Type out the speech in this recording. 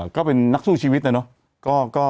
ก็เป็นนักสู้ชีวิตนะเนาะ